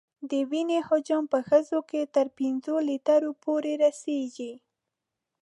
د وینې حجم په ښځو کې تر پنځو لیترو پورې رسېږي.